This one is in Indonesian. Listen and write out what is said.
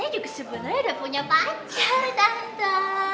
saya juga sebenarnya udah punya pacar tante